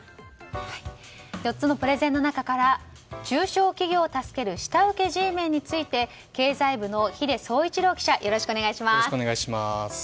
４つのプレゼンの中から中小企業を助ける下請けＧメンについて経済部の秀総一郎記者お願いします。